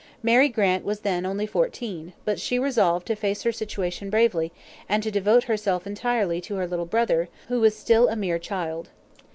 Mary Grant was then only fourteen, but she resolved to face her situation bravely, and to devote herself entirely to her little brother, who was still a mere child.